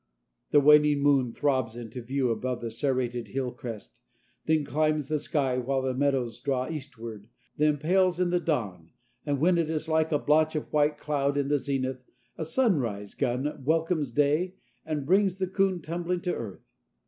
The waning moon throbs into view above a serrated hill crest, then climbs the sky, while the shadows draw eastward, then pales in the dawn, and when it is like a blotch of white cloud in the zenith, a sunrise gun welcomes day and brings the coon tumbling to earth.